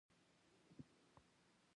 تر هغه ځايه چې زه مينه پېژنم همت يې لوړ دی.